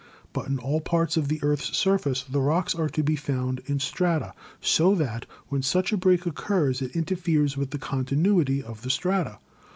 But in all parts of the earth's surface the rocks are to be found in strata, so that when such a break occurs it interferes with the continuity of the strata.